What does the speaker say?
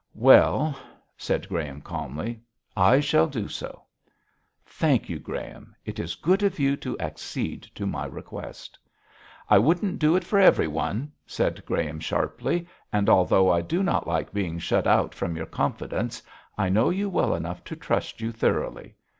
'Well,' said Graham, calmly, 'I shall do so.' 'Thank you, Graham. It is good of you to accede to my request.' 'I wouldn't do it for everyone,' said Graham, sharply. 'And although I do not like being shut out from your confidence, I know you well enough to trust you thoroughly.